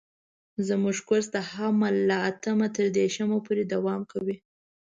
زموږ کورس د حمل له اتم تر دېرشم پورې دوام کوي.